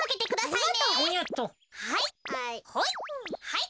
はい。